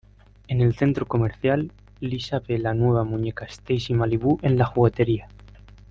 En el centro comercial, Lisa ve la nueva muñeca Stacy Malibu en una juguetería.